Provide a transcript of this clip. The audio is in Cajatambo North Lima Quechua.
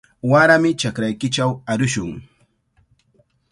Warami chakraykichaw arushun.